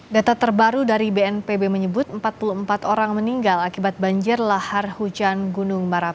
data terbaru dari bnpb menyebut empat puluh empat orang meninggal akibat banjir lahar hujan gunung merapi